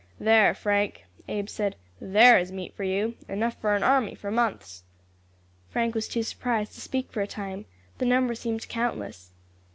"There, Frank," Abe said, "there is meat for you enough for an army for months." Frank was too surprised to speak for a time; the number seemed countless.